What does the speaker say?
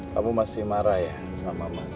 kamu masih marah ya sama mas